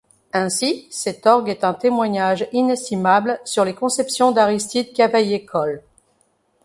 Ainsi, cet orgue est un témoignage inestimable sur les conceptions d'Aristide Cavaillé-Coll.